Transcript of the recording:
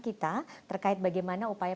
kita terkait bagaimana upaya